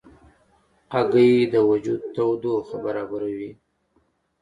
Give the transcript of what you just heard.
هګۍ د وجود تودوخه برابروي.